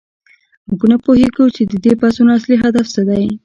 موږ نه پوهیږو چې د دې بحثونو اصلي هدف څه دی.